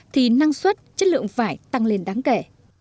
thì năng suất chất lượng vải tăng lên đáng kể